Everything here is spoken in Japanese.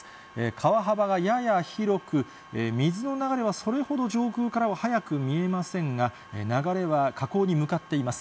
川幅がやや広く、水の流れはそれほど上空からは速く見えませんが、流れは河口に向かっています。